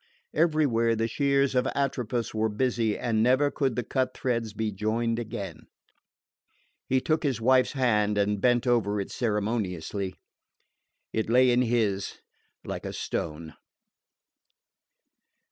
Everywhere the shears of Atropos were busy, and never could the cut threads be joined again. He took his wife's hand and bent over it ceremoniously. It lay in his like a stone.